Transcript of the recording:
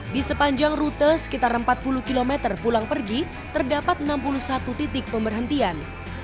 di sepanjang rute sekitar empat puluh km pulang pergi terdapat enam puluh satu titik pemberhentian